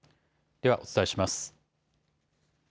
ではお伝えします。